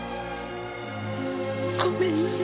ごめんね。